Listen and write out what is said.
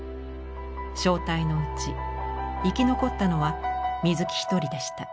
小隊のうち生き残ったのは水木一人でした。